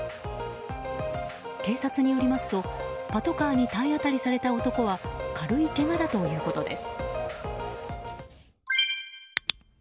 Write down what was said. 警察によりますとパトカーに体当たりされた男は軽いけがだということです。